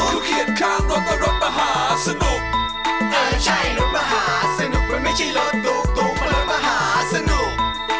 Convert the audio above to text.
ถูกเหยียดข้างรถและรถมหาสนุกเออใช่รถมหาสนุกมันไม่ใช่รถตุ๊กตุ๊กมันรถมหาสนุก